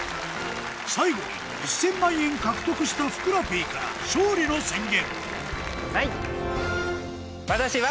最後に１０００万円獲得したふくらＰから勝利の宣言はい！